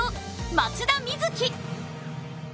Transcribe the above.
松田瑞生。